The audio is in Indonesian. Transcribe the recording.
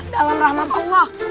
dengan rahmat allah